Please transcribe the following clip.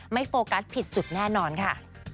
โฟกัสผิดจุดแน่นอนค่ะ